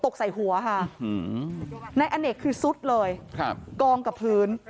ตกใส่หัวค่ะนายอเนกคือซุดเลยครับกองกับพื้น